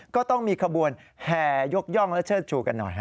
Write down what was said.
ก็ต้องมีขบวนแห่ยกย่องและเชิดชูกันหน่อยฮะ